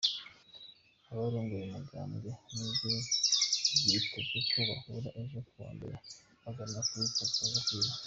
Abarongoye umugambwe wiwe vyitezwe ko bahura ejo kuwa mbere baganire kuri kazoza kiwe.